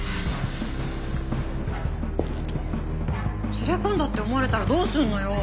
連れ込んだって思われたらどうすんのよ。